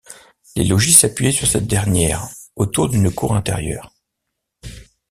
Les logis s'appuyaient sur cette dernière autour d'une cour intérieure.